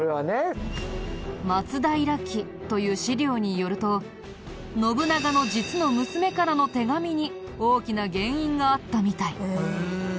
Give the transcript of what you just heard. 『松平記』という史料によると信長の実の娘からの手紙に大きな原因があったみたい。